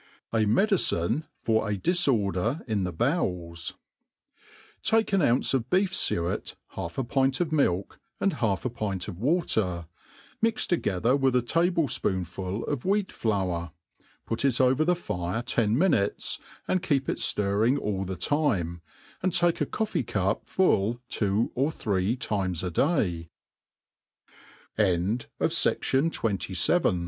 jt Medicine for a Difirder in the Bowels. TAKE an ounce of beef fuet, half a pint of milk, and half a pint of water, mix together with a table fpoonful of wheat flour, put ic over the fire ten minutes, and keep it ftirring ail the time, and take a co£Fee cup full tw